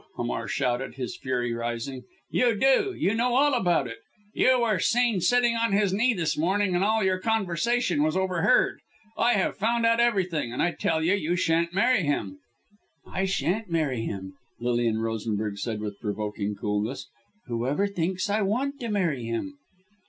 Hamar shouted, his fury rising. "You do! You know all about it. You were seen sitting on his knee this morning, and all your conversation was overheard. I have found out everything. And I tell you, you shan't marry him." "I shan't marry him!" Lilian Rosenberg said with provoking coolness. "Whoever thinks I want to marry him?"